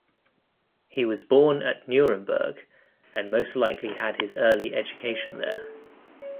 He was born at Nuremberg, and most likely had his early education there.